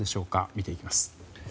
見ていきます。